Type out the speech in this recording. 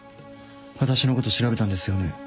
私のこと調べたんですよね？